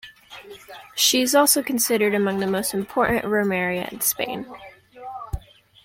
She is also considered among the most important romeria in Spain.